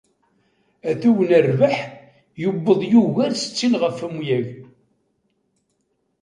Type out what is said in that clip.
Atug n rrbeḥ yewweḍ yugar settin ɣef amyag.